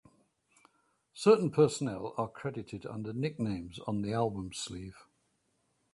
Certain personnel are credited under nicknames on the album sleeve.